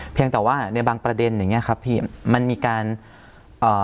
เพียงแต่ว่าในบางประเด็นอย่างเงี้ครับพี่มันมีการเอ่อ